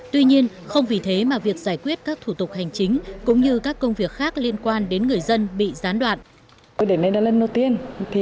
tuy nhiên không vì thế mà việc giải quyết các thủ tục hành chính cũng như các công việc khác liên quan đến người dân bị gián đoạn